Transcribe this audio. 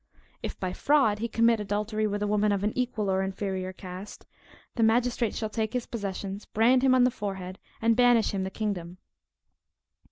If by fraud he commit adultery with a woman of an equal or inferior cast, the magistrate shall take his possessions, brand him in the forehead, and banish him the kingdom.